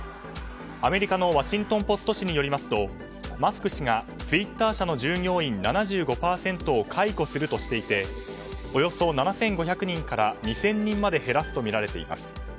アメリカのワシントン・ポスト紙によりますとマスク氏がツイッター社の従業員７５％を解雇するとしていておよそ７５００人から２０００人まで減らすとみられています。